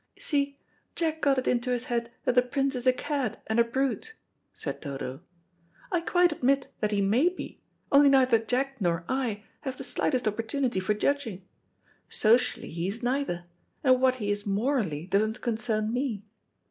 "You see, Jack got it into his head that the Prince is a cad and a brute," said Dodo. "I quite admit that he may be, only neither Jack nor I have the slightest opportunity for judging. Socially he is neither, and what he is morally doesn't concern me.